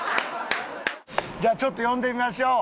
じゃあちょっと呼んでみましょう。